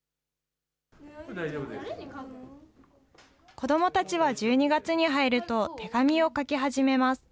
子どもたちは１２月に入ると、手紙を書き始めます。